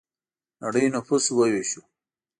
نړۍ نفوس وویشو.